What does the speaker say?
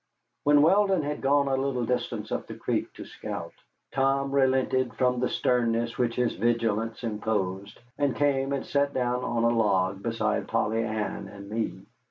When Weldon had gone a little distance up the creek to scout, Tom relented from the sternness which his vigilance imposed and came and sat down on a log beside Polly Ann and me.